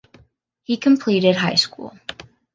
He completed high school.